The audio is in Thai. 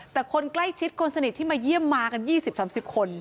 แต่คนใกล้ชิดคนสนิทที่มาเยี่ยมมากัน๒๐๓๐คน